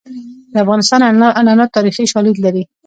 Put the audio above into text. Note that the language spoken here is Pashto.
د افغانستان عنعنات تاریخي شالید لري.